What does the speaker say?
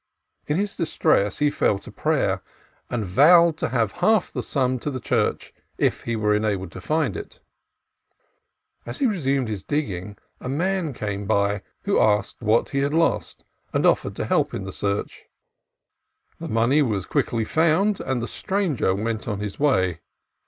In his distress he fell to prayer, and vowed to give half of the sum to the Church if he were enabled to find it. As he resumed his digging, a Man came by who asked what he had lost, and offered to help in the search. The lost money was quickly found, and the Stranger went on His way.